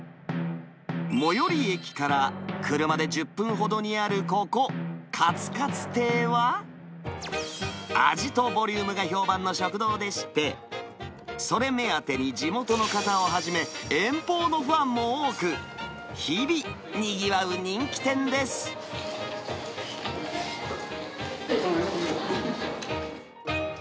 最寄り駅から車で１０分ほどにあるここ、かつかつ亭は、味とボリュームが評判の食堂でして、それ目当てに地元の方をはじめ、遠方のファンも多く、日々、おいしい！